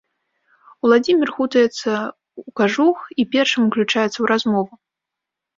Уладзімір хутаецца ў кажух і першым уключаецца ў размову.